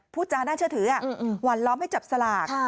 พูดจาน่าเชื่อถือหวั่นล้อมให้จับสลาก